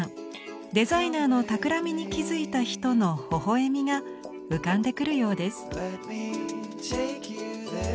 デザイナーのたくらみに気付いた人のほほ笑みが浮かんでくるようです。